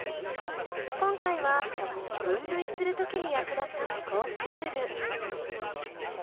今回は分類するときに役立つ思考ツール。